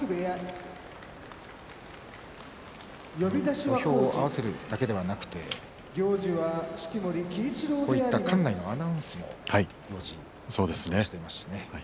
土俵を合わせるだけではなくて、館内のアナウンスも随時しています。